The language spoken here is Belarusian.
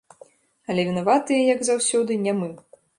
Але вінаватыя, як заўсёды, не мы.